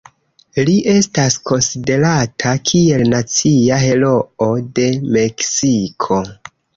Li estas konsiderata kiel nacia heroo de Meksiko.